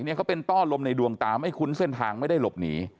เขาเป็นต้อลมในดวงตาไม่คุ้นเส้นทางไม่ได้หลบหนี